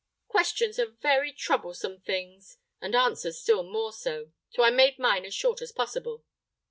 Questions are very troublesome things, and answers still more so; so I made mine as short as possible."